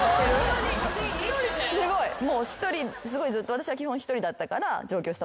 私は基本１人だったから上京したばっかりで。